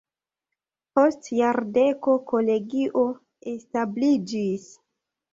Post jardeko kolegio establiĝis.